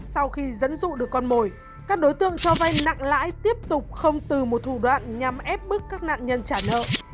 sau khi dẫn dụ được con mồi các đối tượng cho vay nặng lãi tiếp tục không từ một thủ đoạn nhằm ép bức các nạn nhân trả nợ